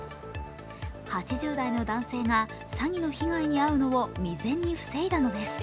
８０代の男性が詐欺の被害に遭うのを未然に防いだのです。